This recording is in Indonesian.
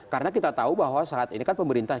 karena kita tahu bahwa saat ini kan pemerintah